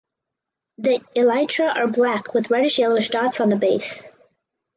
The elytra are black with reddish yellowish dots on the base.